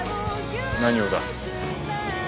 何をだ？